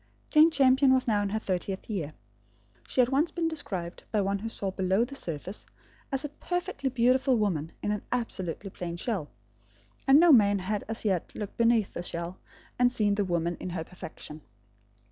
Jane Champion was now in her thirtieth year. She had once been described, by one who saw below the surface, as a perfectly beautiful woman in an absolutely plain shell; and no man had as yet looked beneath the shell, and seen the woman in her perfection.